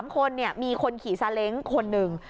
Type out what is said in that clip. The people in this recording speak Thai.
๓คนมีคนขี่จาเลงก์คน๑